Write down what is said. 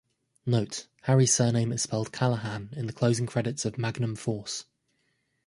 "Note:" Harry's surname is spelled "Calahan" in the closing credits of "Magnum Force.